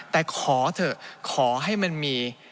แต่ขอเถอะขอให้มันมี